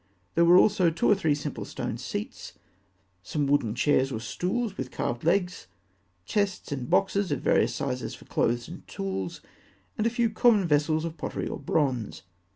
There were also two or three simple stone seats, some wooden chairs or stools with carved legs, chests and boxes of various sizes for clothes and tools, and a few common vessels of pottery or bronze.